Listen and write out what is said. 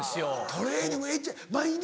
トレーニング毎日？